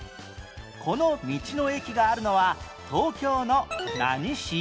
この道の駅があるのは東京の何市？